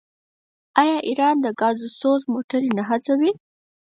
آیا ایران ګازسوز موټرې نه هڅوي؟